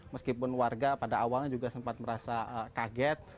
meskipun warga pada awalnya juga sempat merasa kaget